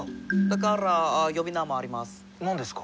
だから呼び名もあります。